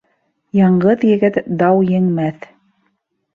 Яңғыҙ егет дау еңмәҫ.